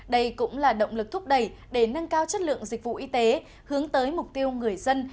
đây cũng là động lực thúc đẩy để nâng cao chất lượng dịch vụ y tế hướng tới mục tiêu người dân